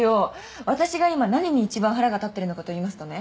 私が今何に一番腹が立ってるのかと言いますとね